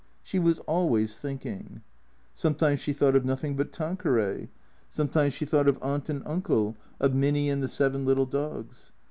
She was always thinking. Sometimes she thought of nothing but Tan queray. Sometimes she thought of Aunt and Uncle, of Minnie 130 THE CREATORS and the seven little dogs.